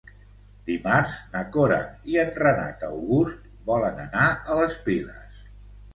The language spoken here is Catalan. Dimarts na Cora i en Renat August volen anar a les Piles.